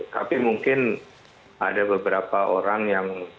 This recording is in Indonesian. tapi mungkin ada beberapa orang yang